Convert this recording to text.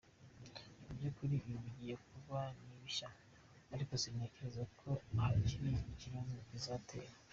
Mu by’ukuri ibi bigiye kuba ni bishya ariko sintekereza ko hari ikibazo bizatera.